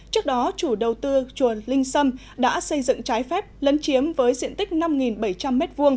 trước đó chủ đầu tư chùa linh sâm đã xây dựng trái phép lấn chiếm với diện tích năm bảy trăm linh m hai